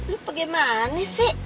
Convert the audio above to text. lu bagaimana sih